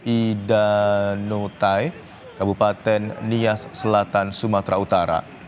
ida nutai kabupaten nias selatan sumatera utara